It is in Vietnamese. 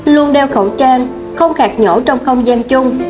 luôn đeo khẩu trang không khạc nhổ trong không gian chung